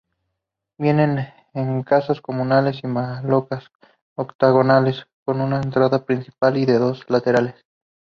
Viven en casas comunales o "malocas" octogonales con una entrada principal y dos laterales.